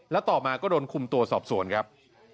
แล้วต่อมาก็โดนคุมตัวสอบสวนครับ